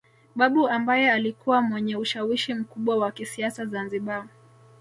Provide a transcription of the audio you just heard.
Babu ambaye alikuwa mwenye ushawishi mkubwa wa kisiasa Zanzibar